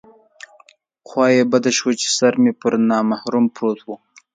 خوا یې بده شوه چې سر مې پر نامحرم پروت و.